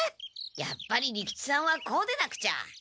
やっぱり利吉さんはこうでなくちゃ。